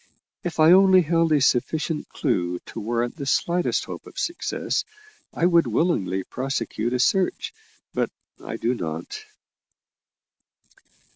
If I only held a sufficient clue to warrant the slightest hope of success, I would willingly prosecute a search, but I do not."